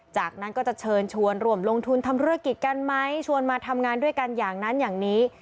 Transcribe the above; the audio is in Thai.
จากนั้นก็จะเชิญชวนร่วมลงทุนทำธุรกิจกันไหมชวนมาทำงานด้วยกันอย่างนั้นอย่างนี้